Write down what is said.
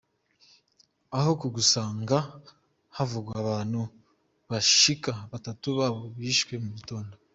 Aho ku Musaga havugwa abantu bashika batatu boba bishwe mu gitondo.